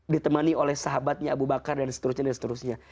ditemani oleh sahabatnya abu bakar dan seterusnya